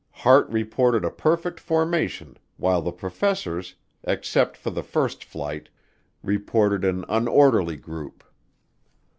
Hart reported a perfect formation while the professors, except for the first flight, reported an unorderly group.